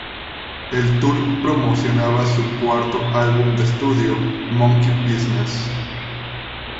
El tour promocionaba su cuarto álbum de estudio, Monkey Business.